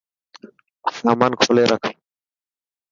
سامان کولي رک.